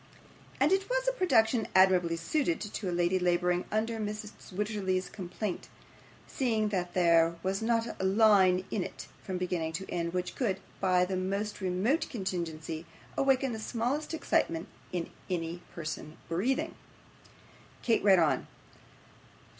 And it was a production admirably suited to a lady labouring under Mrs. Wititterly's complaint, seeing that there was not a line in it, from beginning to end, which could, by the most remote contingency, awaken the smallest excitement in any person breathing. Kate read on.